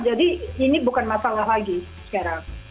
jadi ini bukan masalah lagi sekarang